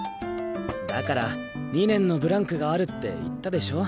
だから２年のブランクがあるって言ったでしょ。